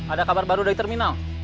ada kabar baru dari terminal